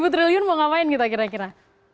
seribu triliun mau ngapain kita kira kira